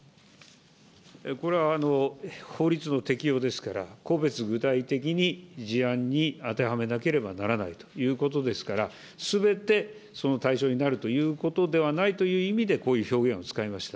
これは法律の適用ですから、個別具体的に事案に当てはめなければならないということですから、すべてその対象になるということではないという意味で、こういう表現を使いました。